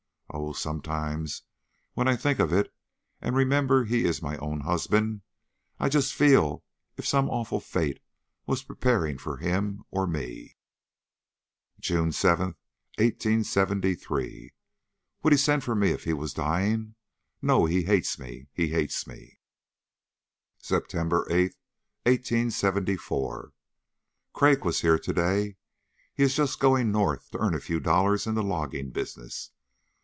Oh, sometimes when I think of it and remember he is my own husband, I just feel as if some awful fate was preparing for him or me!" "JUNE 7, 1873. Would he send for me if he was dying? No. He hates me; he hates me." "SEPTEMBER 8, 1874. Craik was here to day; he is just going North to earn a few dollars in the logging business.